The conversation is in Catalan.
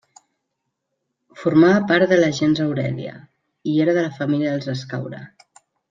Formava part de la gens Aurèlia, i era de la família dels Escaure.